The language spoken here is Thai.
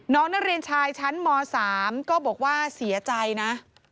น้องนักเรียนชายชั้นม๓ก็บอกว่าเสียใจนะ